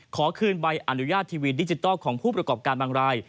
ขอคืนใบอนุญาตทีวีดิจิทัลของผู้ประกอบการบางราย